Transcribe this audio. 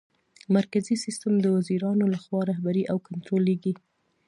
مرکزي سیسټم د وزیرانو لخوا رهبري او کنټرولیږي.